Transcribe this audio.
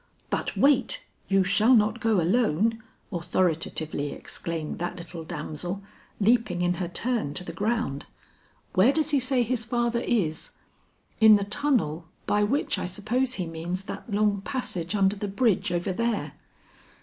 "But wait; you shall not go alone," authoritatively exclaimed that little damsel, leaping in her turn to the ground. "Where does he say his father is?" "In the tunnel, by which I suppose he means that long passage under the bridge over there."